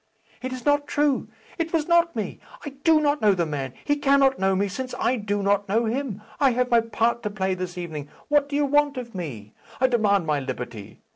"It is not true. It was not me. I do not know the man. He cannot know me, since I do not know him. I have my part to play this evening. What do you want of me? I demand my liberty.